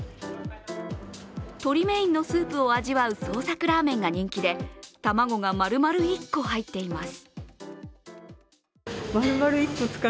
鶏メインのスープを味わう創作ラーメンが人気で卵が丸々１個入っています。